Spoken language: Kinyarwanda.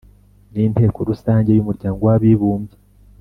n Inteko Rusange y Umuryango w Abibumbye